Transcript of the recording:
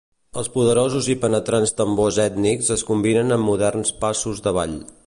Els poderosos i penetrants tambors ètnics es combinen amb moderns passos de ball.